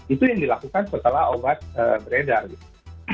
itu yang dilakukan setelah obat beredar gitu